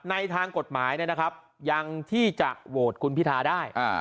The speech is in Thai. ในทางกฎหมายยังที่จะโหวตคุณพิทาได้